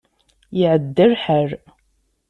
Iɛedda lḥal.